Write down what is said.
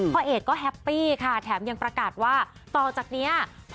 พ่อเอกก็แฮปปี้ค่ะแถมยังประกาศว่าต่อจากนี้